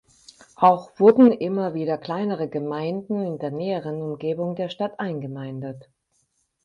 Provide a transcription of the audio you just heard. Auch wurden immer wieder kleinere Gemeinden in der näheren Umgebung der Stadt eingemeindet.